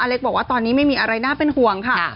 เล็กบอกว่าตอนนี้ไม่มีอะไรน่าเป็นห่วงค่ะ